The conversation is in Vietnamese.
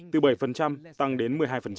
từ bảy tăng đến một mươi hai